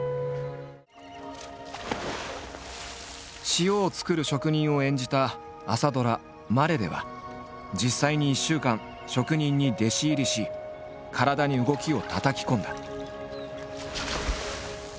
塩を作る職人を演じた朝ドラ「まれ」では実際に１週間職人に弟子入りし体に動きをたたき込んだ。